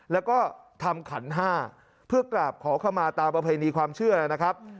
แล้วก็ทำขันห้าเพื่อกราบขอเข้ามาตามประเพณีความเชื่อนะครับ